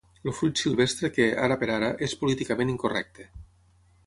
El fruit silvestre que, ara per ara, és políticament incorrecte.